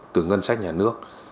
từ ngân sách nhà nước